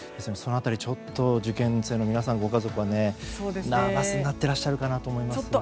その辺りちょっと受験生の皆さん、ご家族はナーバスになっていらっしゃるかなと思います。